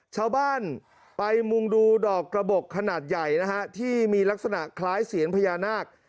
ชาวบ้านไปมุงดูดอกกระบบขนาดใหญ่นะฮะที่มีลักษณะคล้ายเสียนพญานาค